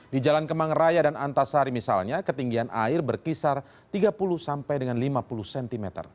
di jalan kemang raya dan antasari misalnya ketinggian air berkisar tiga puluh sampai dengan lima puluh cm